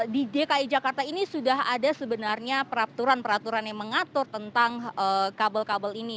di dki jakarta ini sudah ada sebenarnya peraturan peraturan yang mengatur tentang kabel kabel ini